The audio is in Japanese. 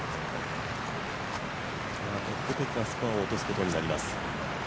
トッド・ペクはスコアを落とすことになります。